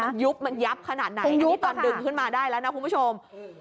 มันยุบมันยับขนาดไหนยุบนี่ตอนดึงขึ้นมาได้แล้วนะคุณผู้ชม